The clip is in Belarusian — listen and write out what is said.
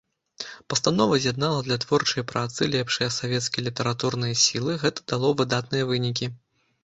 Пастанова з'яднала для творчай працы лепшыя савецкія літаратурныя сілы, гэта дало выдатныя вынікі.